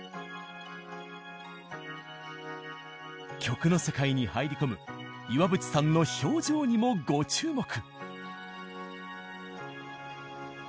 曲の世界に入り込む岩淵さんの表情にもご注目。